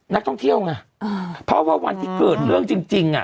นักท่องเที่ยวไงเพราะว่าวันที่เกิดเรื่องจริงอ่ะ